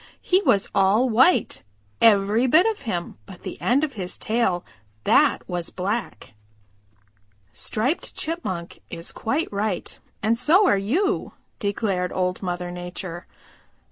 "He was all white, every bit of him but the end of his tail, that was black." "Striped Chipmunk is quite right and so are you," declared Old Mother Nature.